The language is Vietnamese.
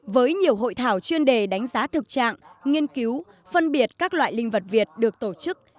với nhiều hội thảo chuyên đề đánh giá thực trạng nghiên cứu phân biệt các loại linh vật việt được tổ chức